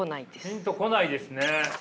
ピンとこないですね。